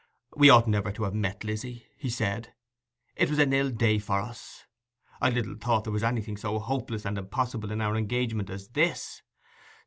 'We ought never to have met, Lizzy,' he said. 'It was an ill day for us! I little thought there was anything so hopeless and impossible in our engagement as this.